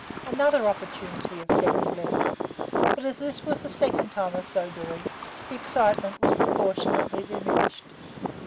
Another opportunity of sending letters, but as this was the second time of so doing, the excitement was proportionately diminished.